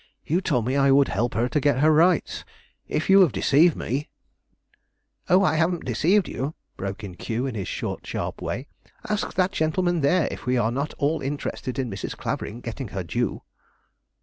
You told me I would help her to get her rights; if you have deceived me " "Oh, I haven't deceived you," broke in Q, in his short, sharp way. "Ask that gentleman there if we are not all interested in Mrs. Clavering getting her due."